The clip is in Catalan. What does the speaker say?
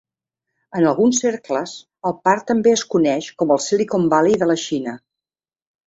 En alguns cercles, el parc també es coneix com el Silicon Valley de la Xina.